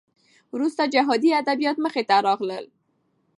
وروسته جهادي ادبیات مخې ته راغلل.